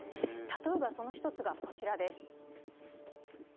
例えばその１つがこちらです。